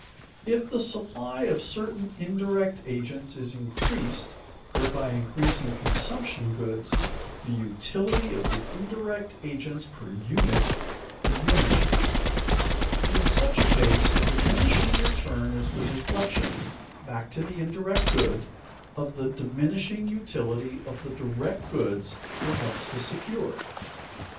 If the supply of certain indirect agents is increased, thereby increasing consumption goods, the utility of the indirect agents per unit diminishes. In such a case a diminishing return is the reflection, back to the indirect good, of the diminishing utility of the direct goods it helps to secure.